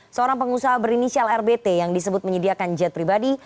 seorang pengusaha berinisial rbt yang disebut menyediakan jet pribadi